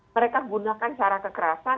mereka gunakan cara kekerasan